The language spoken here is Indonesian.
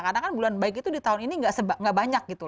karena kan bulan baik itu di tahun ini gak banyak gitu